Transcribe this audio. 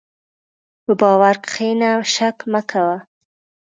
په باور کښېنه، شک مه کوه.